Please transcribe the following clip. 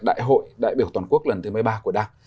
đại hội đại biểu toàn quốc lần thứ một mươi ba của đảng